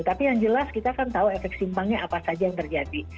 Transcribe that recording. tapi yang jelas kita kan tahu efek simpangnya apa saja yang terjadi